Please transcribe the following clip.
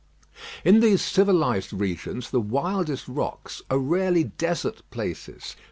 In these civilised regions the wildest rocks are rarely desert places.